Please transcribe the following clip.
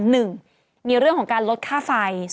หนึ่งมีเรื่องของการลดค่าไฟ